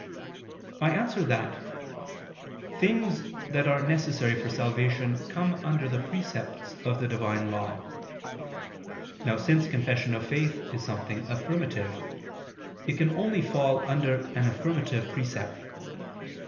I answer that, Things that are necessary for salvation come under the precepts of the Divine law. Now since confession of faith is something affirmative, it can only fall under an affirmative precept.